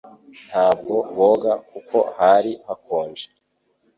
Ntabwo boga kuko hari hakonje